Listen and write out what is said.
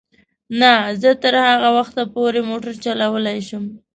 نه، زه تر هغه وخته پورې موټر چلولای شم.